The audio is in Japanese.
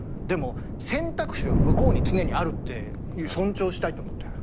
でも選択肢は向こうに常にあるって尊重したいと。